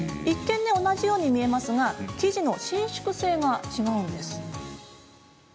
一見、同じように見えますが生地の伸縮性が違うんです。